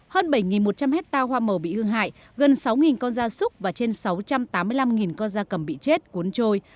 hơn bảy một trăm linh hectare hoa màu bị hư hại gần sáu con da súc và trên sáu trăm tám mươi năm con da cầm bị chết cuốn trôi